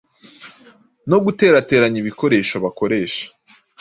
no guterateranya ibikoresho bakoresha